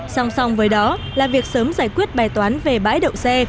song song với đó là việc sớm giải quyết bài toán về bãi đậu xe